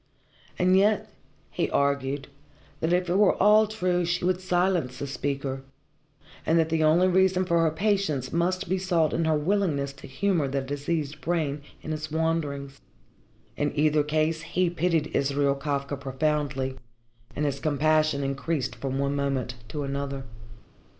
And yet he argued that if it were all true she would silence the speaker, and that the only reason for her patience must be sought in her willingness to humour the diseased brain in its wanderings. In either case he pitied Israel Kafka profoundly, and his compassion increased from one moment to another.